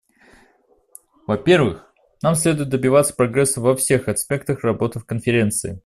Во-первых, нам следует добиваться прогресса во всех аспектах работы Конференции.